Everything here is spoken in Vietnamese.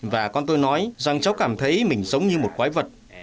và con tôi nói rằng cháu cảm thấy mình giống như một quái vật